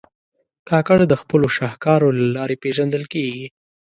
کاکړ د خپلو شهکارو له لارې پېژندل کېږي.